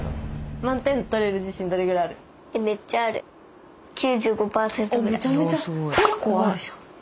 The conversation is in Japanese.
おっめちゃめちゃ結構あるじゃん。